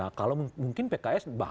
nah kalau mungkin pks bahkan lebih kekal